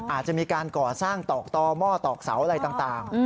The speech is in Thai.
อาจจะมีการก่อสร้างตอกต่อหม้อตอกเสาอะไรต่าง